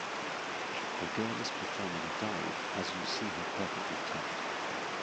A girl is performing a dive as you see her perfectly tucked.